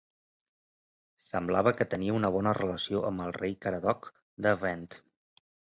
Semblava que tenia una bona relació amb el rei Caradoc de Gwent.